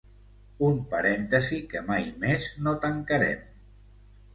Un parèntesi que mai més no tancarem.